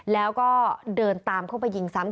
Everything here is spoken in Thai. แล้วก็เดินตามเข้าไปยิงซ้ำ